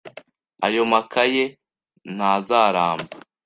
Ayo makaye ntazaramba.